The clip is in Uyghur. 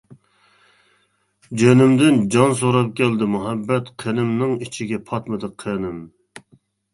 جېنىمدىن جان سوراپ كەلدى مۇھەببەت، قېنىمنىڭ ئىچىگە پاتمىدى قېنىم.